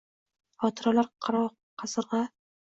Xotiralar qaro qasirgʼa